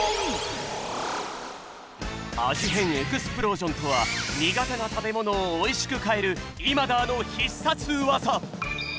変エクスプロージョンとは苦手な食べものをおいしく変えるイマダーの必殺技。